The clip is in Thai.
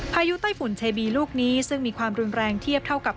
พายุไต้ฝุ่นเชบีลูกนี้ซึ่งมีความรุนแรงเทียบเท่ากับ